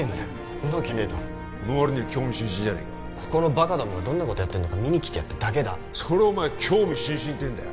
その割には興味津々じゃねえかここのバカどもがどんなことやってんのか見に来ただけだそれお前興味津々っていうんだよ